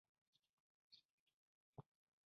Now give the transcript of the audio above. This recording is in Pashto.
پسیوجنري انرژي په موجونو کې ساتل کېږي.